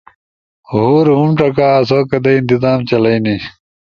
ہور ہم ڇکا آسو کدئی انتظام چلائی نی